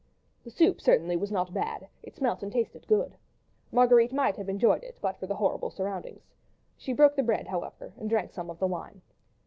The soup certainly was not bad; it smelt and tasted good. Marguerite might have enjoyed it, but for the horrible surroundings. She broke the bread, however, and drank some of the wine.